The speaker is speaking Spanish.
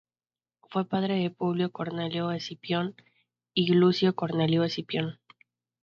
Fue padre de Publio Cornelio Escipión y Lucio Cornelio Escipión.